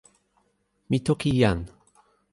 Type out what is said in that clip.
mi toki jan.